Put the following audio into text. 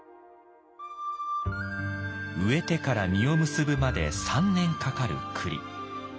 植えてから実を結ぶまで３年かかるクリ。